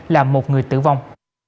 là một người tử vong